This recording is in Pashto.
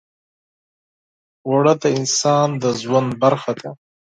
اوړه د انسان د ژوند برخه ده